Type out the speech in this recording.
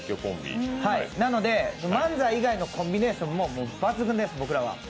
なので、漫才以外のコンビネーションも抜群です、僕らは。